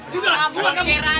sudahlah kamu berkira